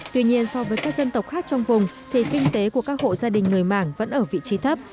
tuy nhiên so với các dân tộc khác trong vùng thì kinh tế của các hộ gia đình người mảng vẫn ở vị trí thấp